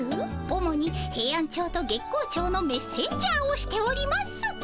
主にヘイアンチョウと月光町のメッセンジャーをしております。